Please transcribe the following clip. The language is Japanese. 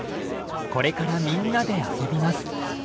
これからみんなで遊びます。